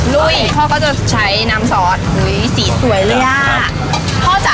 ลุยพ่อก็จะใช้น้ำซอสสีสวยเลยอ่ะพ่อจ๋า